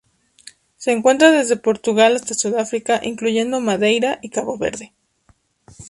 Se encuentra desde Portugal hasta Sudáfrica, incluyendo Madeira y Cabo Verde.